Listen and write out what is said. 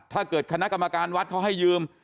ถ้าเกิดคณะกรรมการวัดเขาให้ยืม